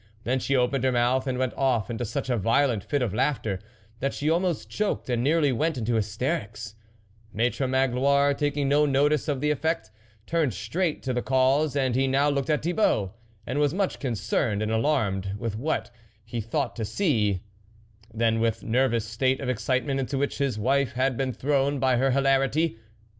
Then she opened her mouth, and went off into such a violent fit of laughter, that she almost choked, and nearly went into hysterics Maitre Magloire, taking no notice of the effect, turned straight to the cause, and he now looked at Thibault, and was much more concerned and alarmed with what he thought to see, than with the nervous state of excitement into which his wife had Deen thrown by her hilarity.